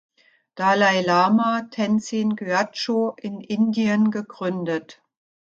Dalai Lama, Tendzin Gyatsho, in Indien gegründet.